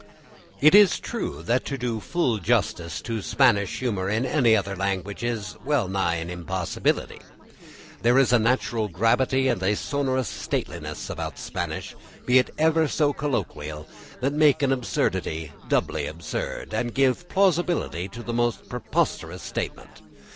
It is true that to do full justice to Spanish humour in any other language is well nigh an impossibility. There is a natural gravity and a sonorous stateliness about Spanish, be it ever so colloquial, that make an absurdity doubly absurd, and give plausibility to the most preposterous statement.